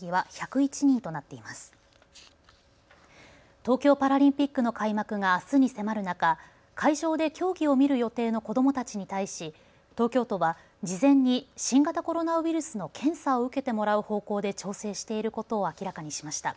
東京パラリンピックの開幕があすに迫る中、会場で競技を見る予定の子どもたちに対し東京都は事前に新型コロナウイルスの検査を受けてもらう方向で調整していることを明らかにしました。